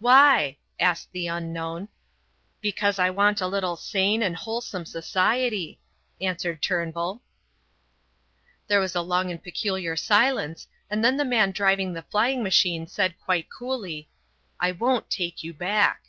"Why?" asked the unknown. "Because I want a little sane and wholesome society," answered Turnbull. There was a long and peculiar silence, and then the man driving the flying machine said quite coolly: "I won't take you back."